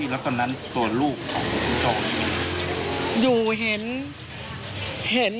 แล้วตอนนั้นตัวลูกของคุณโจทย์อยู่ไหน